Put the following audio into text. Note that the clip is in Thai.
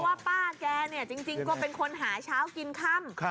ว่าป้าแกเนี่ยจริงก็เป็นคนหาเช้ากินค่ำ